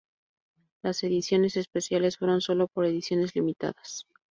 Las ediciones especiales fueron sólo por edición limitada.